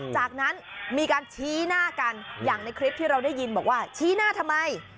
จากนั้นมีการชี้หน้ากันอย่างในคลิปที่เราได้ยินบอกว่าชี้หน้าทำไม